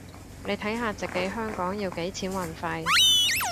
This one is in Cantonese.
你睇下直寄香港要幾錢運費